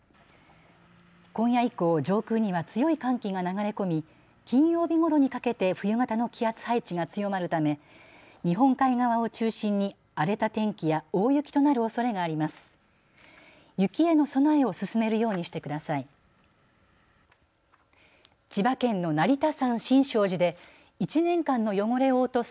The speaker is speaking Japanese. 今夜以降、上空には強い寒気が流れ込み金曜日ごろにかけて冬型の気圧配置が強まるため日本海側を中心に荒れた天気や大雪となるおそれがあります。